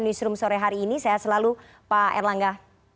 di shroom sore hari ini saya selalu pak erlangga